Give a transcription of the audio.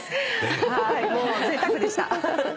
もうぜいたくでした。